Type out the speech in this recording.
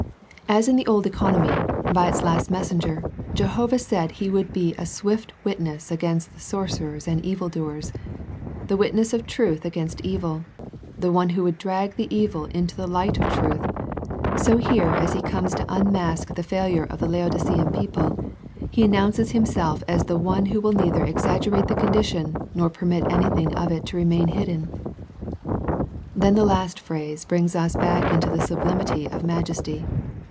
As in the old economy, by its last messenger, Jehovah said He would be a swift Witness against the sor cerers and evil doers, the witness of truth against evil, the One Who would drag the evil into the light of truth, so here as He comes to unmask the failure of the Laodicean people. He announces Himself as the One Who will neither exaggerate the condition, nor permit anything of it to remain hidden. Then the last phrase brings us back into the sublimity of majesty.